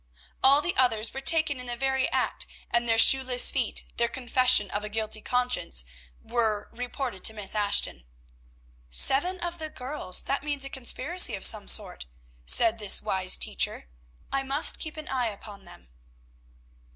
All the others were taken in the very act; and their shoeless feet, their confession of a guilty conscience, were reported to Miss Ashton. "Seven of the girls! that means a conspiracy of some sort," said this wise teacher. "I must keep an eye upon them."